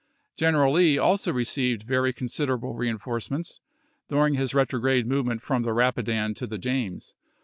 ^ General Lee also received very considerable reen forcements, during his retrograde movement from the Eapidan to the James.